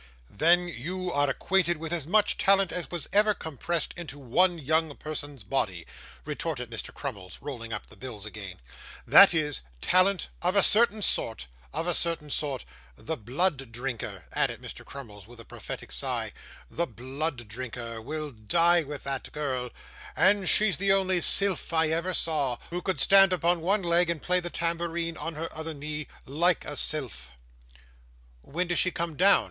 'Then you are acquainted with as much talent as was ever compressed into one young person's body,' retorted Mr. Crummles, rolling up the bills again; 'that is, talent of a certain sort of a certain sort. "The Blood Drinker,"' added Mr. Crummles with a prophetic sigh, '"The Blood Drinker" will die with that girl; and she's the only sylph I ever saw, who could stand upon one leg, and play the tambourine on her other knee, LIKE a sylph.' 'When does she come down?